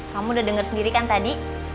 kamu udah dengar sendiri kan tadi